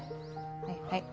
はいはい。